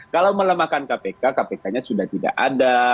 kalau melemahkan kpk kpk nya sudah tidak ada